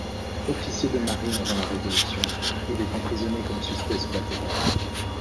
Officier de marine avant la Révolution, il est emprisonné comme suspect sous la Terreur.